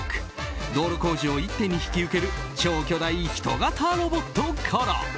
道路工事を一手に引き受ける超巨大人型ロボットから。